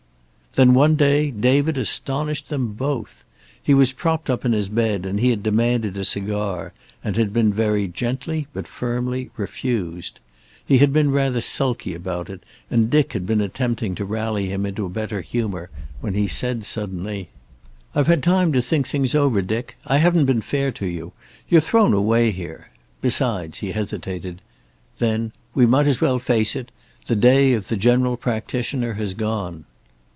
Then, one day, David astonished them both. He was propped up in his bed, and he had demanded a cigar, and been very gently but firmly refused. He had been rather sulky about it, and Dick had been attempting to rally him into better humor when he said suddenly: "I've had time to think things over, Dick. I haven't been fair to you. You're thrown away here. Besides " he hesitated. Then: "We might as well face it. The day of the general practitioner has gone."